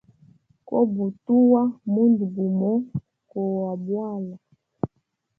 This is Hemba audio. Kobutuwa mundu gumo kowa bwala.